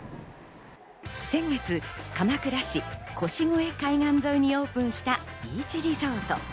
先月、鎌倉市腰越海岸沿いにオープンしたビーチリゾート。